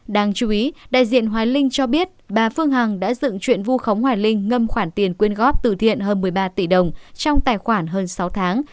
đáng chú ý đại diện hoài linh cho biết bà phương hằng đã dựng chuyện vu khống hoài linh ngâm khoản tiền quyên góp từ thiện hơn một mươi ba tỷ đồng trong tài khoản hơn sáu tháng